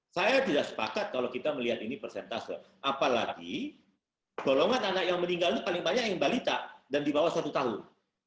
saya tidak sepakat kalau kita melihat ini persentase apalagi golongan anak yang meninggal itu paling banyak yang balita dan di bawah satu tahun